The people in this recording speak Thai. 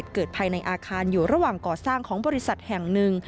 เกิดภายในอาคารอยู่ระหว่างก่อสร้างของบริษัทแห่งหนึ่ง